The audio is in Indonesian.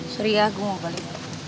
sorry ya gue mau balik